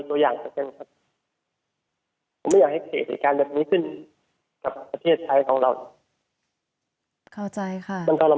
ผมอยากให้เกี่ยวกินระบับนี้ขึ้นกับประเทศไทยของเรา